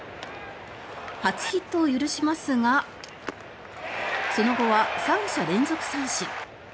初ヒットを許しますがその後は３者連続三振。